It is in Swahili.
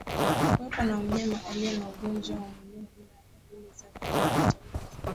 Kuwepo kwa mnyama aliye na ugonjwa huu mwilini ila dalili zake hazijitokezi